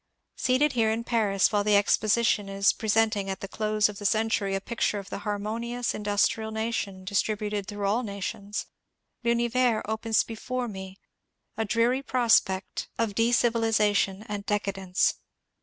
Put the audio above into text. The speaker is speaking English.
Seated here in Paris, while the Exposi tion is presenting at the close of the century a picture of the harmonious industrial nation distributed through all nations, ^^ L'Univers " opens before me a dreary prospect of deoiviliza 362 MONCURE DANIEL OONWAT tion and decadence.